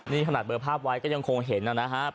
นี่ขนาดเบอร์ภาพไว้ก็ยังคงเห็นนะครับ